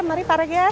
mari pak regar